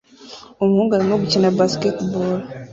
Umuhungu arimo gukina basketball